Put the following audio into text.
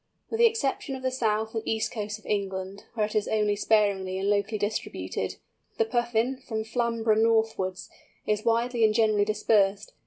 With the exception of the south and east coasts of England—where it is only sparingly and locally distributed—the Puffin, from Flamborough northwards, is widely and generally dispersed.